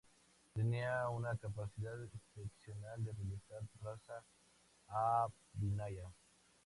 Tenía una capacidad excepcional de realizar "rasa-abhinaya".